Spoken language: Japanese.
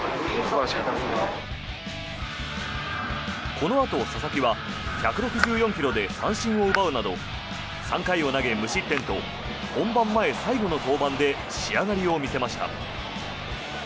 このあと、佐々木は１６４ｋｍで三振を奪うなど３回を投げ無失点と本番前最後の登板で仕上がりを見せました。